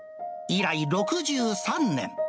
以来、６３年。